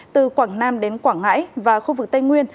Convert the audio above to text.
từ quảng nam đến quảng ngãi và khu vực tây nguyên